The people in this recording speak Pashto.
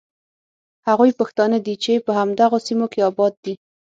هغوی پښتانه دي چې په همدغو سیمو کې آباد دي.